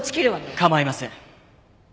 構いません。